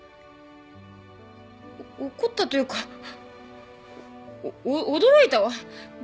怒ったというかお驚いたわ。